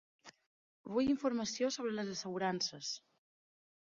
Vull informació sobre les assegurances.